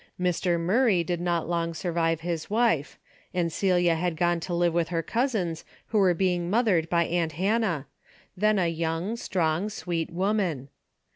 Mr. Murray did not long survive his wife, and Celia had gone to live with her cousins who were being mothered by aunt Hannah, then a young, strong, sweet woman.